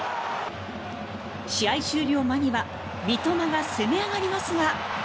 試合終了間際、三笘が攻め上がりますが。